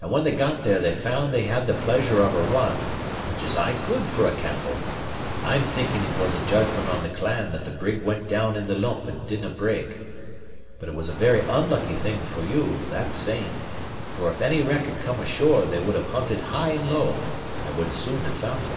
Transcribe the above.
And when they got there they found they had had the pleasure of a run, which is aye good for a Campbell. I'm thinking it was a judgment on the clan that the brig went down in the lump and didnae break. But it was a very unlucky thing for you, that same; for if any wreck had come ashore they would have hunted high and low, and would soon have found ye."